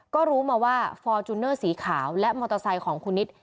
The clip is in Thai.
ก็รู้มาว่าฟอร์จูเนอร์สีขาวและมอเตอร์ไซค์ของคุณนิต